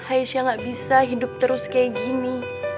aisyah gak bisa hidup terus kayak gini